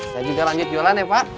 saya juga lanjut jualan ya pak